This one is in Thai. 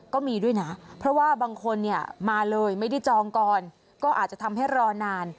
ก็มีด้วยนะเพราะว่าบางคนเนี่ยมาเลยไม่ได้จองก่อนก็อาจจะทำให้รอนาน